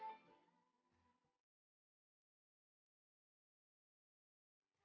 harusnya gue psikolog ya